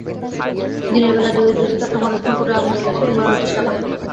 দিনের বেলা দরিদ্র শীতার্ত মানুষ খড়কুটায় আগুন জ্বালিয়ে শীত নিবারণের চেষ্টা করে।